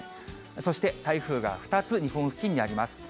そして台風が２つ日本付近にあります。